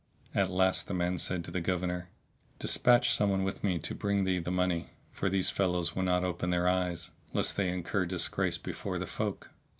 At last the man said to the Governor, "Dispatch some one with me to bring thee the money; for these fellows will not open their eyes, lest they incur disgrace before the folk."